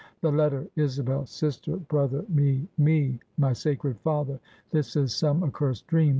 The letter! Isabel, sister, brother, me, me my sacred father! This is some accursed dream!